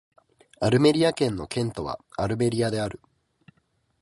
アルメリア県の県都はアルメリアである